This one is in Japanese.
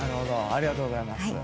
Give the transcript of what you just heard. ありがとうございます。